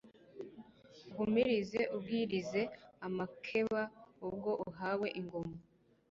Ugumirize ubwirize amakeba Ubwo uhawe ingoma,